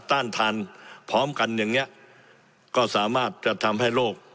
ต้านทานพร้อมกันอย่างนี้ก็สามารถจะทำให้โลก